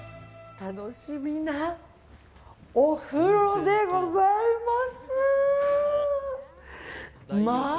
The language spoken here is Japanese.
楽しみなお風呂でございます。